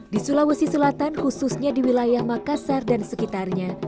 di sulawesi selatan khususnya di wilayah makassar dan sekitarnya